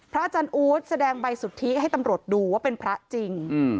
อาจารย์อู๊ดแสดงใบสุทธิให้ตำรวจดูว่าเป็นพระจริง